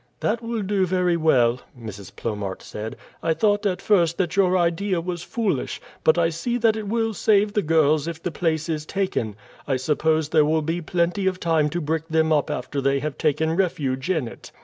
"That will do very well," Mrs. Plomaert said. "I thought at first that your idea was foolish, but I see that it will save the girls if the place is taken. I suppose there will be plenty of time to brick them up after they have taken refuge in it."